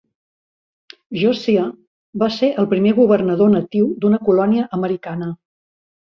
Josiah va ser el primer governador natiu d'una colònia americana.